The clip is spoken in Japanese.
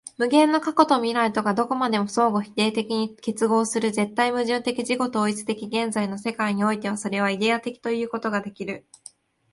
無限の過去と未来とがどこまでも相互否定的に結合する絶対矛盾的自己同一的現在の世界においては、それはイデヤ的ということができる。